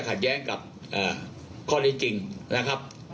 ขัดแย้งกับข้อได้จริงนะครับ